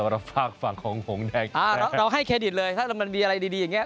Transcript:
เราให้เครดิตเลยถ้ามันมีอะไรดีอย่างนี้